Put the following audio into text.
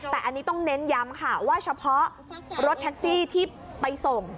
แต่อันนี้ต้องเน้นย้ำค่ะว่าเฉพาะรถแท็กซี่ที่ไปส่ง